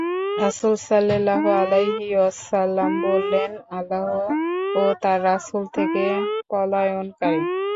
রাসূল সাল্লাল্লাহু আলাইহি ওয়াসাল্লাম বললেন, আল্লাহ ও তাঁর রাসূল থেকে পলায়নকারী।